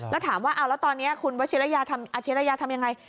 แล้วถามว่าเอาแล้วตอนนี้คุณอาชิระยาทำยังไง